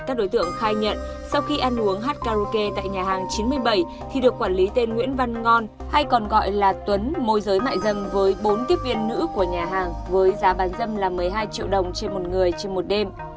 các đối tượng khai nhận sau khi ăn uống hát karaoke tại nhà hàng chín mươi bảy thì được quản lý tên nguyễn văn ngon hay còn gọi là tuấn môi giới mại dâm với bốn tiếp viên nữ của nhà hàng với giá bán dâm là một mươi hai triệu đồng trên một người trên một đêm